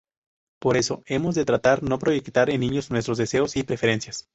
Por eso, hemos de tratar no proyectar en los niños nuestros deseos y preferencias.